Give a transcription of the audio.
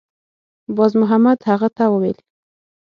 بازمحمد هغه ته وویل